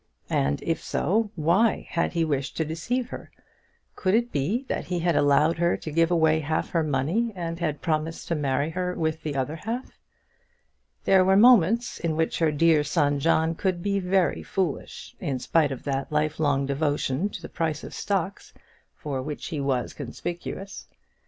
And if so, why had he wished to deceive her? Could it be that he had allowed her to give away half her money, and had promised to marry her with the other half? There were moments in which her dear son John could be very foolish, in spite of that life long devotion to the price of stocks, for which he was conspicuous.